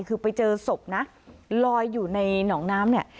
คือไปเจอศพนะลอยอยู่ในหนองน้ำเนี่ย